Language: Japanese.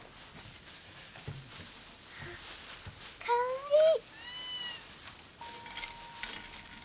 かわいい！